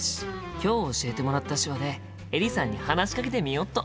今日教えてもらった手話でエリさんに話しかけてみよっと！